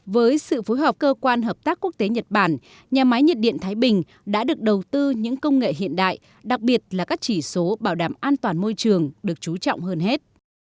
với sự phối hợp cơ quan hợp tác quốc tế nhật bản nhà máy nhiệt điện thái bình đã được đầu tư những công nghệ hiện đại đặc biệt là các chỉ số bảo đảm an toàn môi trường được chú trọng hơn hết